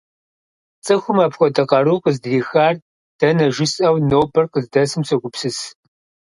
ЦӀыхум апхуэдэ къару къыздрихар дэнэ жысӀэу, нобэр къыздэсым согупсыс.